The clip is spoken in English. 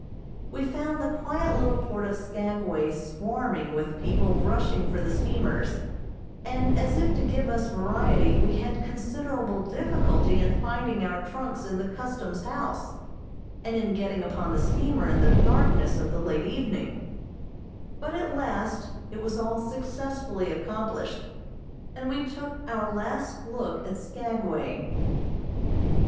We found the quiet little port of Skagway swarming with people rushing for the steamers, and as if to give us variety we had considerable difficulty in finding our trunks in the custom's house, and in getting upon the steamer in the darkness of the late evening; but at last it was all successfully accomplished, and we took our last look at Skagway.